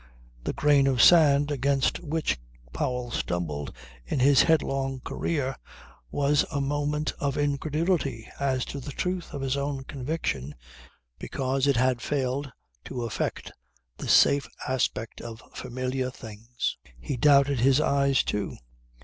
The grain of sand against which Powell stumbled in his headlong career was a moment of incredulity as to the truth of his own conviction because it had failed to affect the safe aspect of familiar things. He doubted his eyes too.